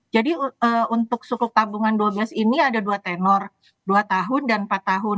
jadi untuk sukuk tabungan dua belas ini ada dua tenor dua tahun dan empat tahun